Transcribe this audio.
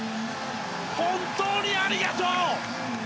本当にありがとう！